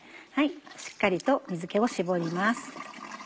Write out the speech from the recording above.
しっかりと水気を絞ります。